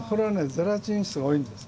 ゼラチン質が多いんです。